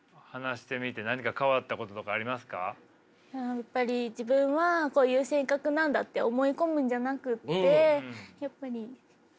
やっぱり自分はこういう性格なんだって思い込むんじゃなくてやっぱり何て言うんですかね